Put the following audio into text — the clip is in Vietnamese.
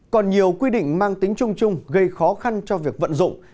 còn nhiều quy định mang tính chung chung gây khó khăn cho việc vận dụng